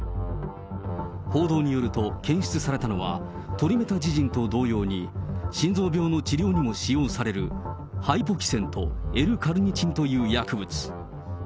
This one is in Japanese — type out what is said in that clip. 報道によると、検出されたのは、トリメタジジンと同様に心臓病の治療にも使用されるハイポキセンとＬーカルニチンという薬物。